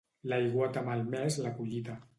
L'aiguat ha malmès la collita.